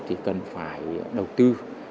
thì cần phải đầu tư